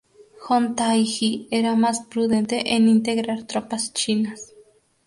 Hong Taiji era más prudente en integrar tropas chinas.